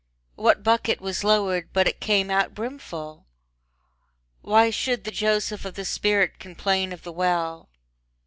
What bucket was lowered but it came out brimful? Why should the Joseph of the spirit complain of the well?